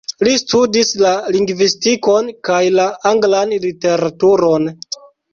Li studis la lingvistikon kaj la anglan literaturon.